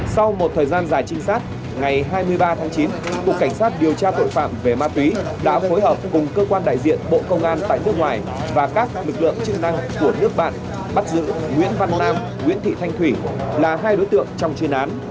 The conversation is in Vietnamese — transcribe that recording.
sau một thời gian dài trinh sát ngày hai mươi ba tháng chín cục cảnh sát điều tra tội phạm về ma túy đã phối hợp cùng cơ quan đại diện bộ công an tại nước ngoài và các lực lượng chức năng của nước bạn bắt giữ nguyễn văn nam nguyễn thị thanh thủy là hai đối tượng trong chuyên án